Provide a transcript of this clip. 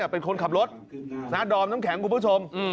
เป็นคนขับรถดอมน้ำแข็งคุณผู้ชม